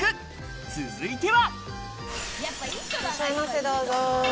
続いては。